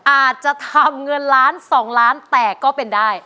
อาจจะทำเงินล้าน๒ล้านแต่ก็เป็นได้